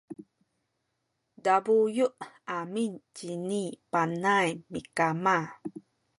tabuyu’ amin cini Panay mikama